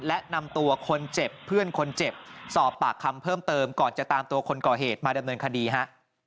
และนำตัวคนเจ็บเพื่อนคนเจ็บสอบปากคำเพิ่มเติมก่อนจะตามตัวคนก่อเหตุมาดำเนินคดีฮะ